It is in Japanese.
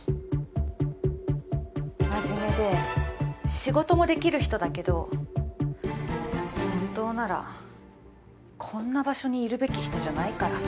真面目で仕事もできる人だけど本当ならこんな場所にいるべき人じゃないから。